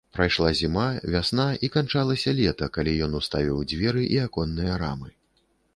Прайшла зіма, вясна, і канчалася лета, калі ён уставіў дзверы і аконныя рамы.